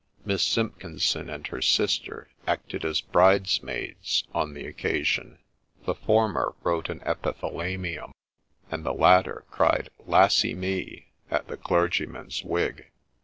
Miss Simpkinson and her sister acted as bridesmaids on the occasion ; the former wrote an epithalamium, and the latter cried ' Lassy me !' at the clergyman's wig.